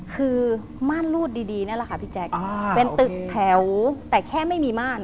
คือม่านรูดดีนี่แหละค่ะพี่แจ๊คเป็นตึกแถวแต่แค่ไม่มีม่าน